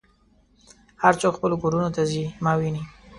هر څوک خپلو کورونو ته ځي ما وینې.